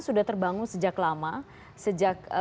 sudah terbangun sejak lama sejak